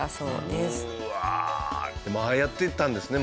でもああやっていたんですね